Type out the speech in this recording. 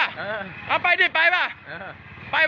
อ้าวไปดิมาดี